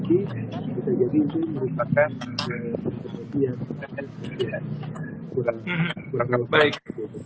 mungkin bisa jadi itu merupakan keputusan yang kurang baik